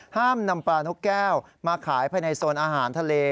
ห้ามนำปลานกแก้วมาขายภายในโซนอาหารทะเล